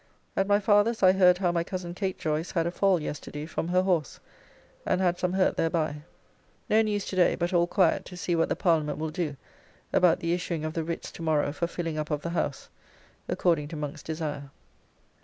At my father's I heard how my cousin Kate Joyce had a fall yesterday from her horse and had some hurt thereby. No news to day, but all quiet to see what the Parliament will do about the issuing of the writs to morrow for filling up of the House, according to Monk's desire.